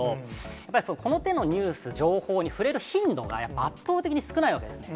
やっぱりこの手のニュース、情報に触れる頻度が、やっぱ圧倒的に少ないわけですね。